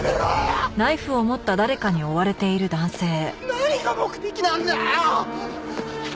何が目的なんだよ？